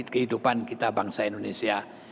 kehidupan kita bangsa indonesia